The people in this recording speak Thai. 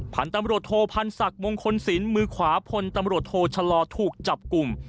พันธุ์ตำรวจโทพันธ์ศักดิ์มงคลศิลป์มือขวาพลตำรวจโทชะลอถูกจับกลุ่ม